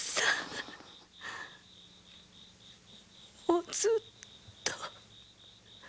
もうずっと。